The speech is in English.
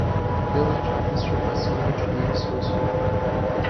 Village of Mr. Basile G. Sossou.